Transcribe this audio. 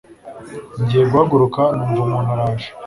ngiye guhaguruka numva umuntu araje